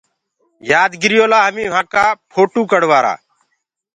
يآدگِريو لآ همي وهآنٚ ڪا ڦوٽو ڪڙوآرآ۔